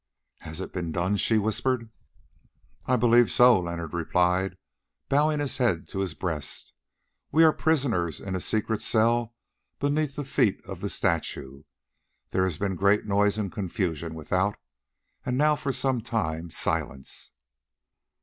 "Has it been done?" she whispered. "I believe so," Leonard replied, bowing his head to his breast. "We are prisoners in a secret cell beneath the feet of the statue. There has been great noise and confusion without, and now for some time silence."